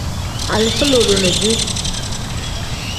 Alifa lodo ni piyefuu.